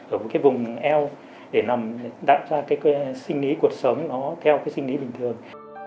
ở cái vùng eo để làm đặt ra cái sinh lý cuộc sống nó theo cái sinh lý bình thường